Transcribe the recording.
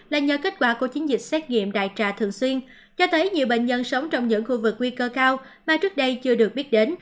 là nhờ kết quả của chiến dịch xét nghiệm đại trà thường xuyên cho thấy nhiều bệnh nhân sống trong những khu vực nguy cơ cao mà trước đây chưa được biết đến